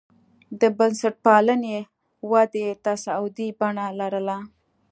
د بنسټپالنې ودې تصاعدي بڼه لرله.